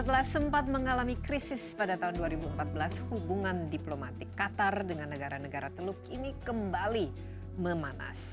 setelah sempat mengalami krisis pada tahun dua ribu empat belas hubungan diplomatik qatar dengan negara negara teluk ini kembali memanas